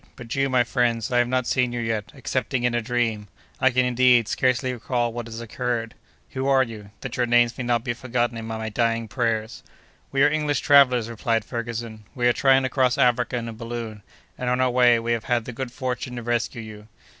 "But you, my friends, I have not seen you yet, excepting in a dream! I can, indeed, scarcely recall what has occurred. Who are you—that your names may not be forgotten in my dying prayers?" "We are English travellers," replied Ferguson. "We are trying to cross Africa in a balloon, and, on our way, we have had the good fortune to rescue you."